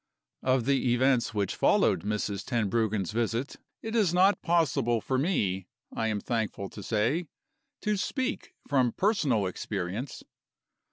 Of the events which followed Mrs. Tenbruggen's visit it is not possible for me, I am thankful to say, to speak from personal experience.